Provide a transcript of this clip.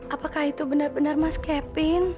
apakah itu benar benar mas kepin